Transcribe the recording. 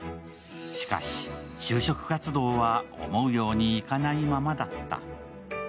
しかし就職活動は思うようにいかないままだった。